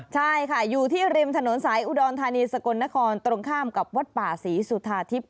ใช่ค่ะอยู่ที่ริมถนนสายอุดรธานีสกลนครตรงข้ามกับวัดป่าศรีสุธาทิพย